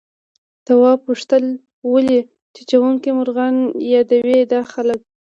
تواب وپوښتل ولې چیچونکي مرغان يادوي دا خلک؟